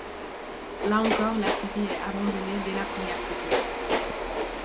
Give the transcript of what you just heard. Là encore, la série est abandonnée dès la première saison.